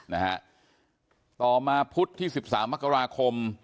นะฮะต่อมาพุธที่๑๓มักราคม